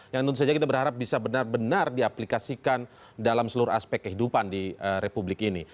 yang tentu saja kita berharap bisa benar benar diaplikasikan dalam seluruh aspek kehidupan di republik ini